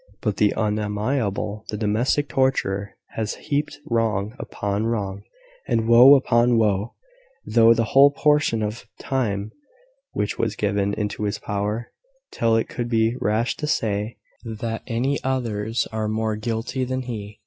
But the unamiable the domestic torturer has heaped wrong upon wrong, and woe upon woe, through the whole portion of time which was given into his power, till it would be rash to say that any others are more guilty than he.